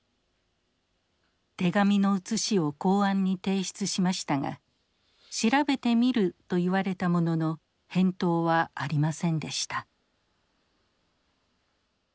手紙の写しを公安に提出しましたが「調べてみる」と言われたものの返答はありませんでした。